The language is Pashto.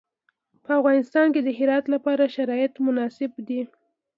په افغانستان کې د هرات لپاره شرایط مناسب دي.